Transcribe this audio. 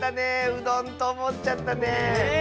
うどんとおもっちゃったね。